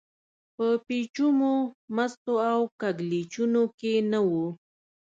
په پېچومو، مستو او کږلېچونو کې نه و.